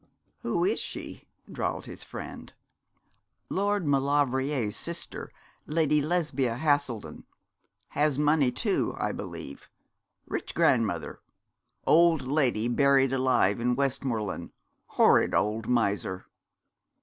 'Who is she?' drawled his friend. 'Lord Maulevrier's sister, Lady Lesbia Haselden. Has money, too, I believe; rich grandmother; old lady buried alive in Westmoreland; horrid old miser.'